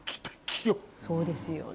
そうですよね。